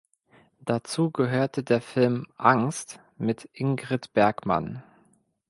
Dazu gehörte der Film "Angst" mit Ingrid Bergman.